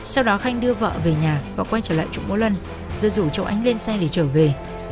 sau đó khanh đưa vợ về nhà và quay trở lại chủ múa lân rồi rủ châu ánh lên xe để trở về